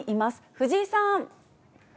藤井さん。